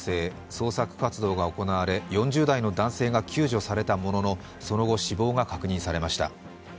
捜索活動が行われ、４０代の男性が救助されたものの、その後、死亡が確認されました。